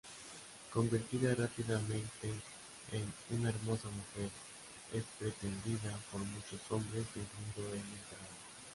Convertida rápidamente en una hermosa mujer, es pretendida por muchos hombres, incluido el emperador.